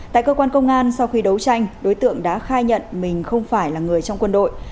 tại cơ quan công an sau khi đấu tranh đối tượng đã khai nhận mình không phải là người trong quân đội